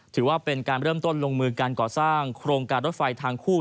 ถือว่าเป็นการเริ่มต้นลงมือการก่อสร้างโครงการรถไฟทางคู่